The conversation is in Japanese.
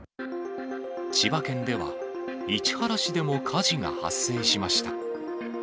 千葉県では、市原市でも火事が発生しました。